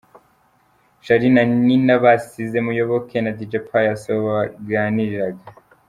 Charly na Nina basize Muyoboke na Dj Pius aho baganiriraga.